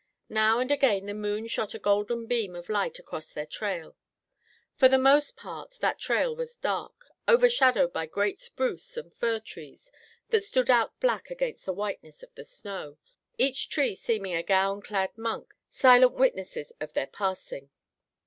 Now and again the moon shot a golden beam of light across their trail. For the most part that trail was dark, overshadowed by great spruce and fir trees that stood out black against the whiteness of the snow, each tree seeming a gown clad monk—silent witnesses of their passing.